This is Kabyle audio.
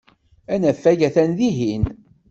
Anafag atan dihin.